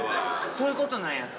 そういうことなんやって。